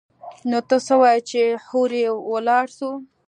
نو ته څه وايي چې هورې ولاړ سو.